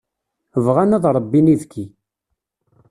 Bɣan ad ṛebbin ibekki.